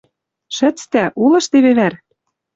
Шӹцдӓ, улыш теве вӓр...